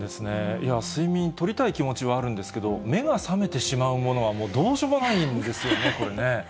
いやー、睡眠とりたい気持ちはあるんですけど、目が覚めてしまうものはもうどうしようもないんですよね、これね。